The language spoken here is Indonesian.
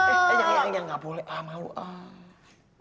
eh nyang nyang nyang ga boleh ah malu ah